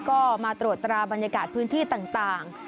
ก็มาตรวจตราบรรยากาศพื้นที่ต่าง